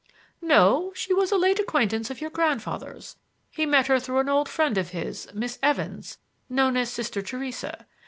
"No; she was a late acquaintance of your grandfather's. He met her through an old friend of his,— Miss Evans, known as Sister Theresa.